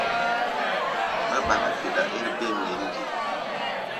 Mɛ́ ɓará geɗa ér bêm wěn ge?